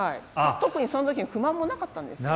特にその時に不満もなかったんですよね。